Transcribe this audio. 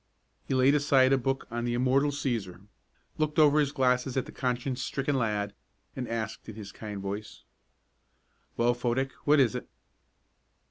He laid aside a book on the immortal Cæsar, looked over his glasses at the conscience stricken lad, and asked in his kind voice: "Well, Fodick, what is it?"